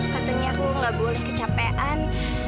katanya aku nggak boleh kecapean